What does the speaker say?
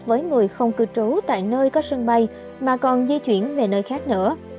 với người không cư trú tại nơi có sân bay mà còn di chuyển về nơi khác nữa